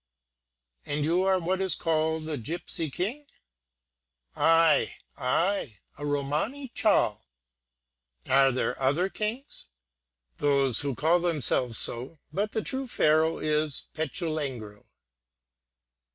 "And you are what is called a Gipsy King?" "Ay, ay; a Romany Chal." "Are there other kings?" "Those who call themselves so; but the true Pharaoh is Petulengro."